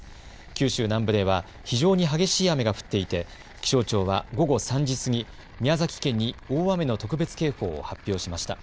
九州南部では非常に激しい雨が降っていて、気象庁は、午後３時過ぎ、宮崎県に大雨の特別警報を発表しました。